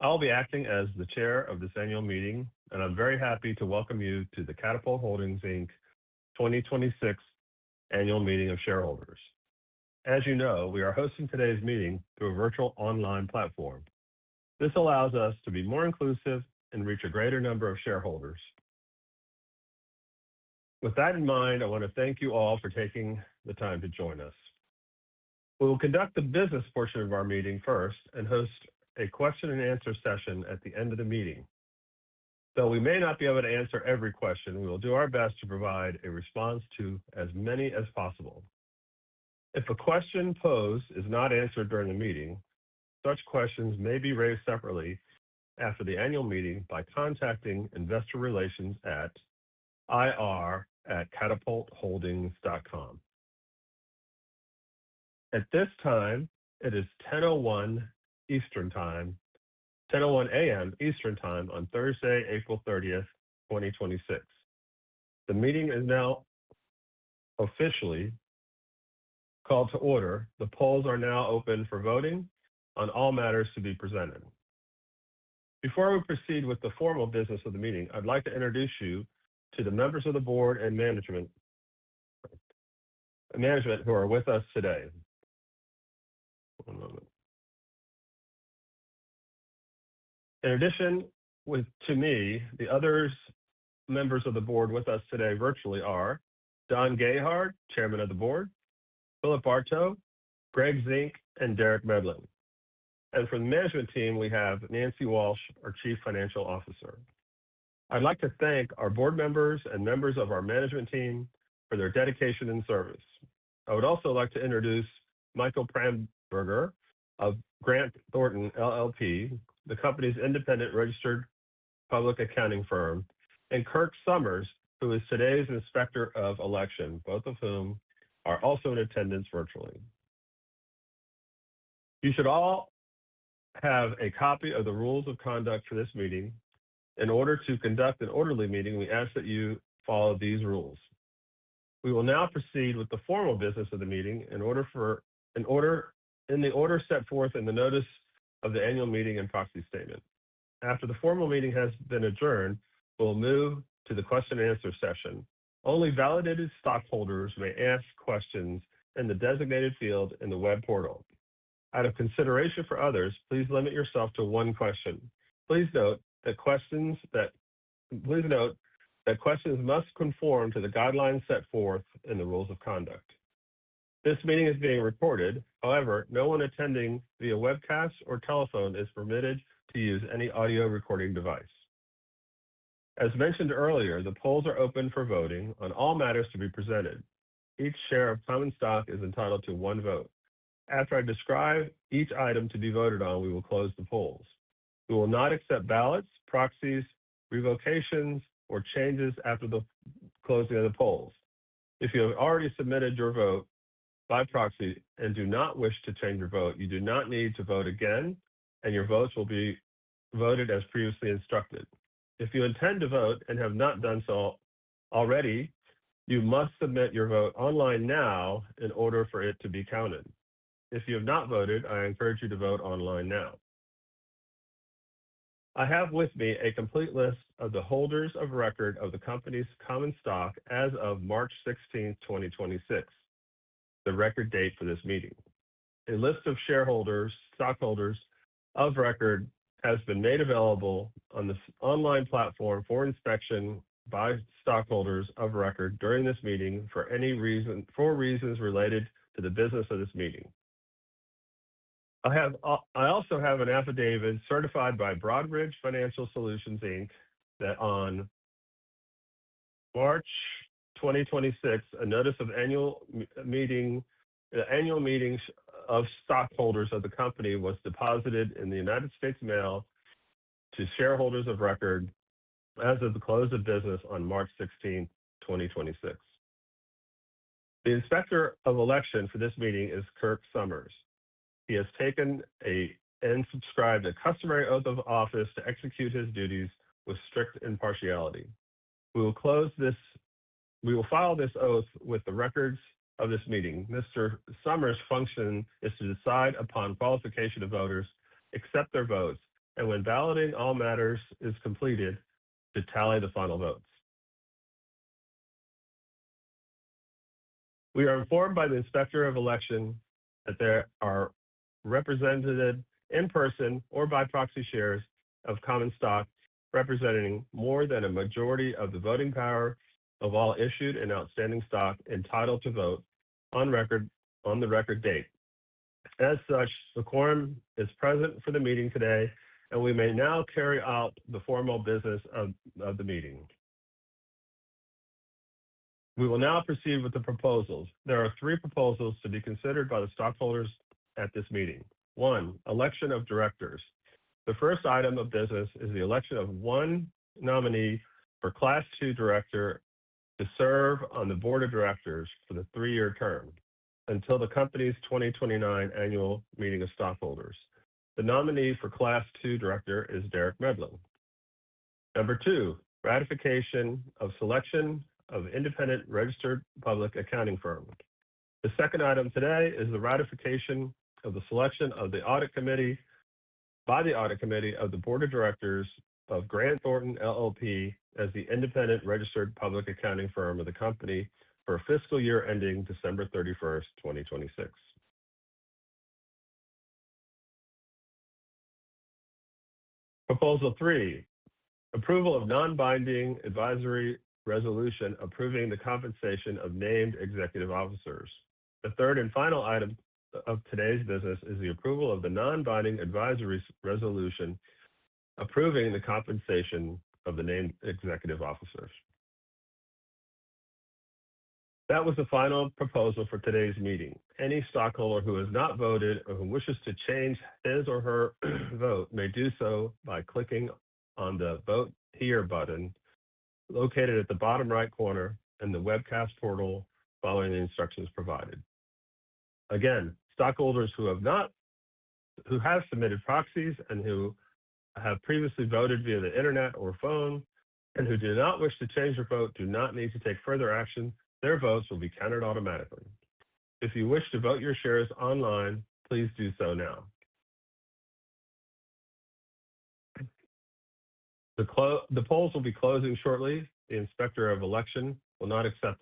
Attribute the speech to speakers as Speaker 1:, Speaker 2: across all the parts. Speaker 1: I'll be acting as the Chair of this annual meeting, and I'm very happy to welcome you to the Katapult Holdings, Inc. 2026 Annual Meeting of Shareholders. As you know, we are hosting today's meeting through a virtual online platform. This allows us to be more inclusive and reach a greater number of shareholders. With that in mind, I wanna thank you all for taking the time to join us. We will conduct the business portion of our meeting first and host a question and answer session at the end of the meeting. Though we may not be able to answer every question, we will do our best to provide a response to as many as possible. If a question posed is not answered during the meeting, such questions may be raised separately after the annual meeting by contacting investor relations at ir@katapult.com. At this time, it is 10:01 A.M. Eastern Time on Thursday, April 30, 2026. The meeting is now officially called to order. The polls are now open for voting on all matters to be presented. Before we proceed with the formal business of the meeting, I'd like to introduce you to the members of the board and management who are with us today. One moment. In addition to me, the other members of the board with us today virtually are Don Gayhardt, Chairman of the Board, Philip Bartow, Greg Zink, and Derek Medlin. From the management team, we have Nancy Walsh, our Chief Financial Officer. I'd like to thank our board members and members of our management team for their dedication and service. I would also like to introduce Michael Pramberger of Grant Thornton LLP, the company's independent registered public accounting firm, and Kirk Summers, who is today's inspector of election, both of whom are also in attendance virtually. You should all have a copy of the rules of conduct for this meeting. In order to conduct an orderly meeting, we ask that you follow these rules. We will now proceed with the formal business of the meeting in the order set forth in the notice of the annual meeting and proxy statement. After the formal meeting has been adjourned, we'll move to the question and answer session. Only validated stockholders may ask questions in the designated field in the web portal. Out of consideration for others, please limit yourself to one question. Please note that questions must conform to the guidelines set forth in the rules of conduct. This meeting is being recorded. No one attending via webcast or telephone is permitted to use any audio recording device. As mentioned earlier, the polls are open for voting on all matters to be presented. Each share of common stock is entitled to one vote. After I describe each item to be voted on, we will close the polls. We will not accept ballots, proxies, revocations, or changes after the closing of the polls. If you have already submitted your vote by proxy and do not wish to change your vote, you do not need to vote again, and your votes will be voted as previously instructed. If you intend to vote and have not done so already, you must submit your vote online now in order for it to be counted. If you have not voted, I encourage you to vote online now. I have with me a complete list of the holders of record of the company's common stock as of March 16th, 2026, the record date for this meeting. A list of stockholders of record has been made available on this online platform for inspection by stockholders of record during this meeting for any reasons related to the business of this meeting. I also have an affidavit certified by Broadridge Financial Solutions, Inc. On March 2026, a notice of annual meetings of stockholders of the company was deposited in the United States Mail to shareholders of record as of the close of business on March 16th, 2026. The Inspector of Election for this meeting is Kirk Summers. He has taken and subscribed a customary oath of office to execute his duties with strict impartiality. We will file this oath with the records of this meeting. Mr. Summers' function is to decide upon qualification of voters, accept their votes, and when validating all matters is completed, to tally the final votes. We are informed by the inspector of election that there are representative in person or by proxy shares of common stock representing more than a majority of the voting power of all issued and outstanding stock entitled to vote on the record date. The quorum is present for the meeting today, and we may now carry out the formal business of the meeting. We will now proceed with the proposals. There are three proposals to be considered by the stockholders at this meeting. One, election of directors. The first item of business is the election of one nominee Class II Director to serve on the Board of Directors for the three-year term until the company's 2029 annual meeting of stockholders. The nominee Class II Director is Derek Medlin. Number two, ratification of selection of independent registered public accounting firm. The second item today is the ratification of the selection of the Audit Committee by the Audit Committee of the Board of Directors of Grant Thornton LLP as the Independent Registered Public Accounting Firm of the company for fiscal year ending December 31, 2026. Proposal three, approval of non-binding advisory resolution approving the compensation of named executive officers. The third and final item of today's business is the approval of the non-binding advisory resolution approving the compensation of the named executive officers. That was the final proposal for today's meeting. Any stockholder who has not voted or who wishes to change his or her vote may do so by clicking on the Vote Here button located at the bottom right corner in the webcast portal following the instructions provided. Stockholders who have submitted proxies and who have previously voted via the Internet or phone and who do not wish to change their vote do not need to take further action. Their votes will be counted automatically. If you wish to vote your shares online, please do so now. The polls will be closing shortly. The Inspector of Election will not accept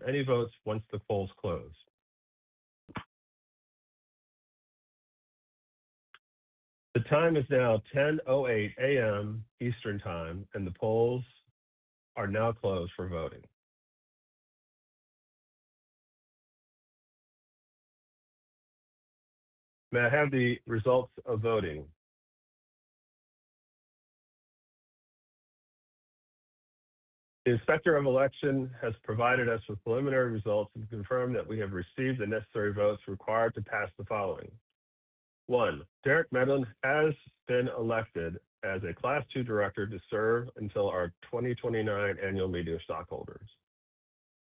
Speaker 1: any votes once the polls close. The time is now 10:00 A.M. Eastern Time, and the polls are now closed for voting. May I have the results of voting? The Inspector of Election has provided us with preliminary results and confirmed that we have received the necessary votes required to pass the following. One. Derek Medlin has been elected as a Class II Director to serve until our 2029 annual meeting of stockholders.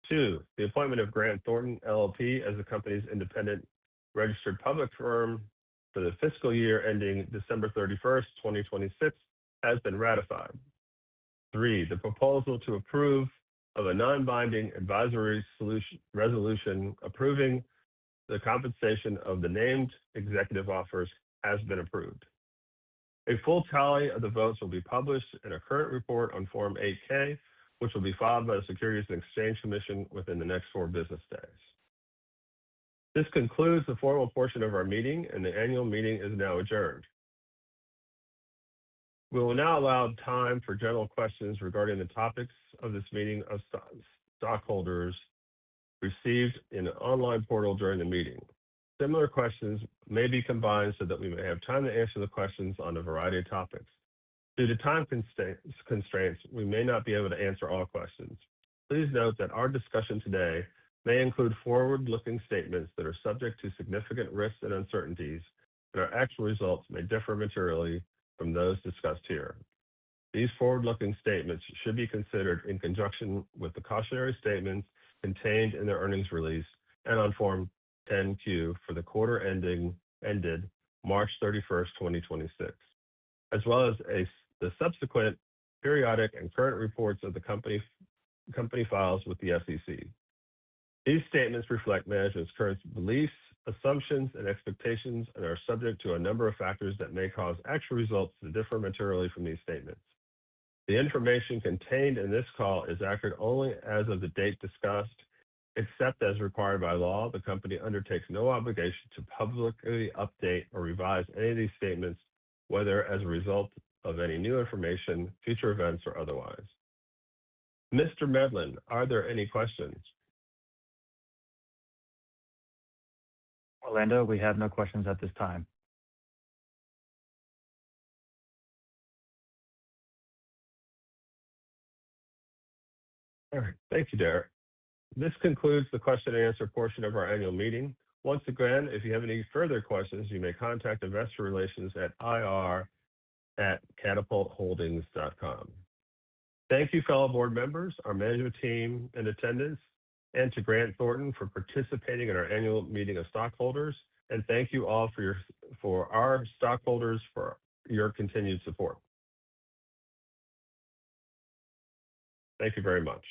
Speaker 1: Two, the appointment of Grant Thornton LLP as the company's independent registered public firm for the fiscal year ending December 31st, 2026, has been ratified. Three, the proposal to approve of a non-binding advisory resolution approving the compensation of the named executive officers has been approved. A full tally of the votes will be published in a current report on Form 8-K, which will be filed by the Securities and Exchange Commission within the next four business days. This concludes the formal portion of our meeting, and the annual meeting is now adjourned. We will now allow time for general questions regarding the topics of this meeting of stockholders received in an online portal during the meeting. Similar questions may be combined so that we may have time to answer the questions on a variety of topics. Due to time constraints, we may not be able to answer all questions. Please note that our discussion today may include forward-looking statements that are subject to significant risks and uncertainties, and our actual results may differ materially from those discussed here. These forward-looking statements should be considered in conjunction with the cautionary statements contained in the earnings release and on Form 10-Q for the quarter ended March 31, 2026, as well as the subsequent periodic and current reports of the company files with the SEC. These statements reflect management's current beliefs, assumptions, and expectations and are subject to a number of factors that may cause actual results to differ materially from these statements. The information contained in this call is accurate only as of the date discussed. Except as required by law, the company undertakes no obligation to publicly update or revise any of these statements, whether as a result of any new information, future events, or otherwise. Mr. Medlin, are there any questions?
Speaker 2: Orlando, we have no questions at this time.
Speaker 1: All right. Thank you, Derek. This concludes the question and answer portion of our annual meeting. Once again, if you have any further questions, you may contact Investor Relations at ir@katapult.com. Thank you, fellow board members, our management team in attendance, and to Grant Thornton for participating in our annual meeting of stockholders. Thank you all for our stockholders for your continued support. Thank you very much.